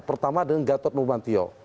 pertama dengan gatot nubantio